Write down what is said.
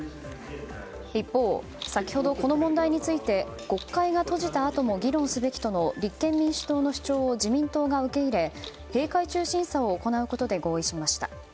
一方、先ほどこの問題について国会が閉じた後も議論すべきとの立憲民主党の主張を自民党が受け入れ、閉会中審査を行うことで合意しました。